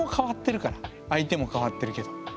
相手も変わってるけど。